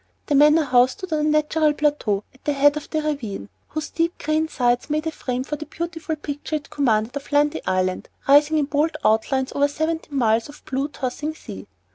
The Manor house stood on a natural plateau at the head of the ravine, whose steep green sides made a frame for the beautiful picture it commanded of Lundy Island, rising in bold outlines over seventeen miles of blue, tossing sea.